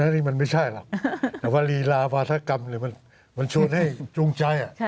นี่มันไม่ใช่หรอกแต่ว่าลีลาวาธกรรมมันชวนให้จูงใจ